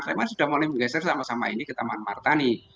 sleman sudah mulai menggeser sampah sampah ini ke taman martani